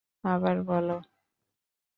আবার বলো।